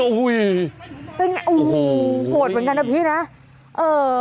โอ้โฮโหดเหมือนกันนะพี่นะเอ่อ